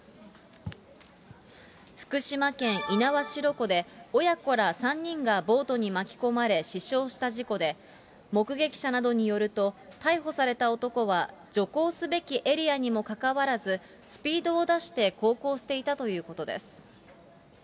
福島県猪苗代湖で、親子ら３人がボートに巻き込まれ、死傷した事故で、目撃者などによると、逮捕された男は、徐行すべきエリアにもかかわらず、スピードを出して航行していたということです。